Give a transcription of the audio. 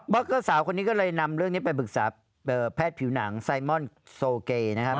็อกเกอร์สาวคนนี้ก็เลยนำเรื่องนี้ไปปรึกษาแพทย์ผิวหนังไซมอนโซเกนะครับ